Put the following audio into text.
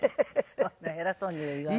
そんな偉そうには言わない。